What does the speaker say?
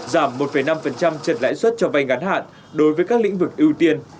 giảm một năm trần lãi suất cho vay ngắn hạn đối với các lĩnh vực ưu tiên